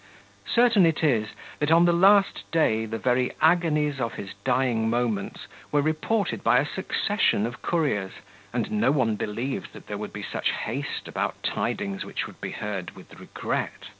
Certain it is, that on the last day the very agonies of his dying moments were reported by a succession of couriers, and no one believed that there would be such haste about tidings which would be heard with regret.